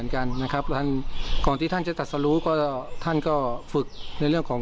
ครับท่านที่ท่านจะตรัสรุก็ท่านก็ฝึกในเรื่องของ